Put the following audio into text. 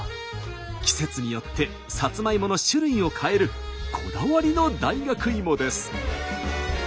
季節によってさつまいもの種類を変えるこだわりの大学芋です。